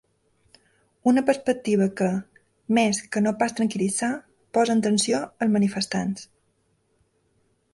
Una perspectiva que, més que no pas tranquil·litzar, posa en tensió els manifestants.